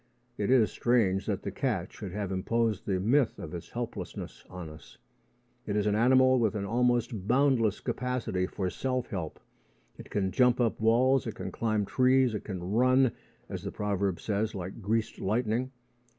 It is strange that the cat should have imposed the myth of its helplessness on us. It is an animal with an almost boundless capacity for self help. It can jump up walls. It can climb trees. It can run, as the proverb says, like "greased lightning."